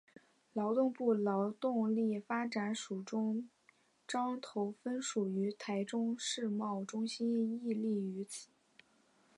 劳动部劳动力发展署中彰投分署与台中世贸中心亦设立于此。